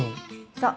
そう。